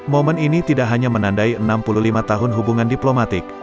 momen ini tidak hanya menandai enam puluh lima tahun hubungan diplomatik